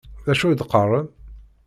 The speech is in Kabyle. D acu i d-teqqaṛem?